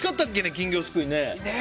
金魚すくいね。